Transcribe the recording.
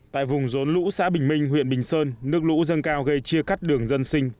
tại vùng rốn lũ xã bình minh huyện bình sơn nước lũ dâng cao gây chia cắt đường dân sinh